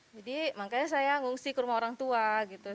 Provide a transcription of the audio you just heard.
jadi makanya saya ngungsi ke rumah orang tua gitu